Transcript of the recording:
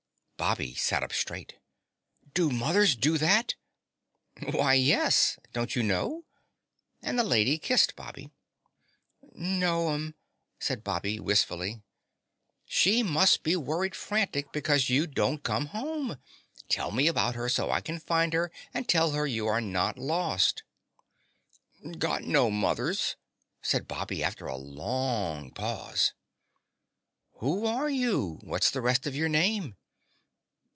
Bobby sat up straight. "Do mothers do that?" "Why, yes. Don't you know?" And the lady kissed Bobby. "No'm," said Bobby wistfully. "She must be worried frantic because you don't come home. Tell me about her so I can find her and tell her you are not lost." "Got no mothers," said Bobby after a long pause. "Who are you? What's the rest of your name?"